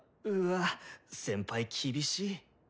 うわ先輩厳しい。